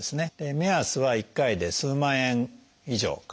目安は１回で数万円以上かかります。